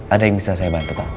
ada yang bisa saya bantu pak